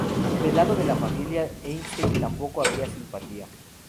Del lado de la familia Einstein tampoco había simpatía.